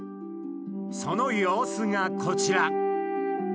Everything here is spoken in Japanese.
その様子がこちら！